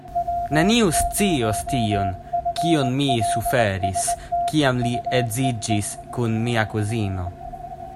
Neniu scios tion, kion mi suferis, kiam li edziĝis kun mia kuzino.